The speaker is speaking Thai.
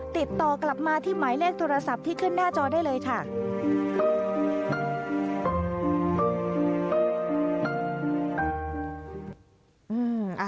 ติดต่อกลับมาที่หมายเลขโทรศัพท์ที่ขึ้นหน้าจอได้เลยค่ะ